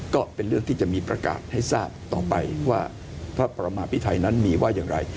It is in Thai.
ก็เป็นเรื่องที่จะมีประกาศให้ทราบต่อไปว่าพระประมาพิไทยนั้นมีว่าอย่างไร